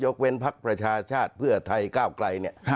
เว้นพักประชาชาติเพื่อไทยก้าวไกลเนี่ย